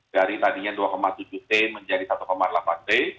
dari tadinya dua tujuh d menjadi satu delapan d